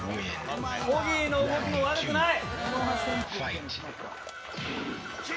オギーの動きも悪くない。